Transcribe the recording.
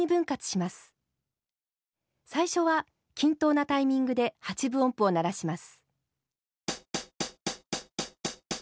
最初は均等なタイミングで８分音符を鳴らします。